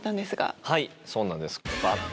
はいそうなんです。